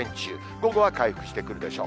午後は回復してくるでしょう。